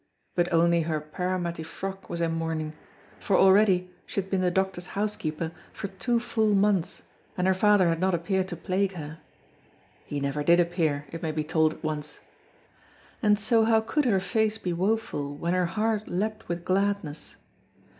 But only her parramatty frock was in mourning, for already she had been the doctor's housekeeper for two full months, and her father had not appeared to plague her (he never did appear, it may be told at once), and so how could her face be woeful when her heart leapt with gladness?